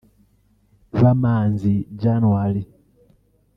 Bamanzi January